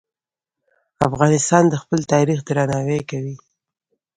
افغانستان د خپل تاریخ درناوی کوي.